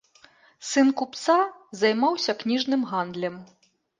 Сын купца, займаўся кніжным гандлем.